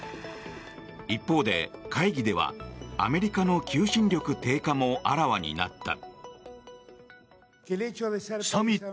一方で、会議ではアメリカの求心力低下もあらわになった。